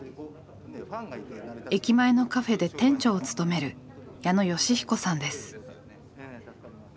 駅前のカフェで店長を務める矢野嘉彦さんです。